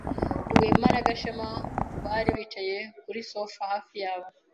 Rwema na Gashema bari bicaye kuri sofa hafi yabo.